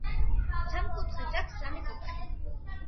სამკუთხედს აქ სამი კუთხე